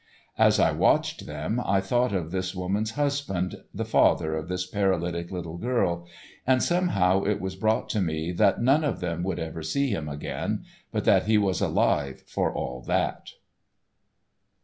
As I watched them I thought of this woman's husband, the father of this paralytic little girl, and somehow it was brought to me that none of them would ever see him again, but that he was alive for all that.